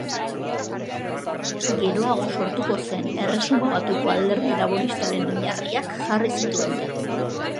Geroago sortuko zen Erresuma Batuko Alderdi Laboristaren oinarriak jarri zituen.